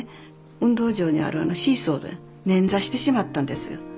運動場にあるシーソーでねんざしてしまったんですよ。